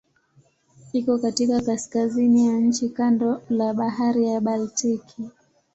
Iko katika kaskazini ya nchi kando la Bahari ya Baltiki.